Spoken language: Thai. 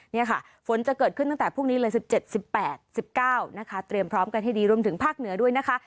นี่ค่ะฝนจะเกิดขึ้นตั้งแต่พรุ่งนี้เลย๑๗๑๘๑๙นะคะเตรียมพร้อมกันให้ดีรวมถึงภาคเหนือด้วยนะคะ